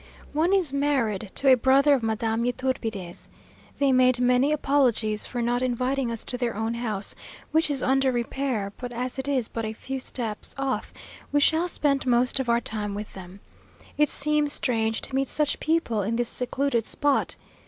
One is married to a brother of Madame Yturbide's. They made many apologies for not inviting us to their own house, which is under repair; but as it is but a few steps off, we shall spend most of our time with them. It seems strange to meet such people in this secluded spot!